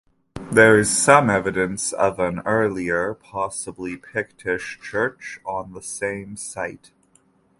There is some evidence of an earlier, possibly Pictish church on the same site.